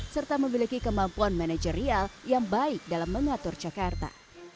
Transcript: serta memiliki kemampuan manajerial yang baik dalam mengatur jakarta